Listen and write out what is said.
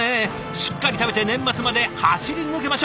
しっかり食べて年末まで走り抜けましょう！